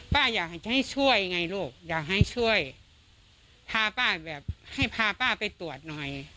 ป้าอยากจะให้ช่วยไงลูกอยากให้ช่วยพาป้าแบบให้พาป้าไปตรวจหน่อย